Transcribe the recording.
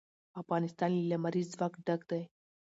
افغانستان له لمریز ځواک ډک دی.